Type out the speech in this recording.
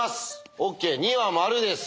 ＯＫ２は○です。